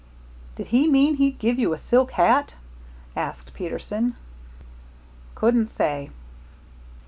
'" "Did he mean he'd give you a silk hat?" asked Peterson. "Couldn't say."